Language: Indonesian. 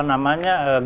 jadi kalau kita membeli